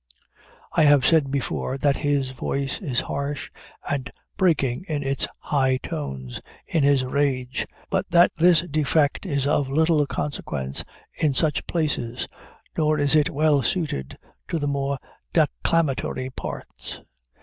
I have before said that his voice is harsh and breaking in his high tones, in his rage, but that this defect is of little consequence in such places. Nor is it well suited to the more declamatory parts.